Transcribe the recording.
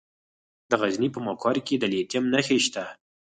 د غزني په مقر کې د لیتیم نښې شته.